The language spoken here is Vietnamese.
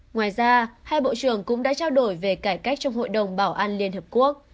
ngoài ra hai bộ trưởng cũng đã trao đổi về cải cách trong hội đồng bảo an liên hợp quốc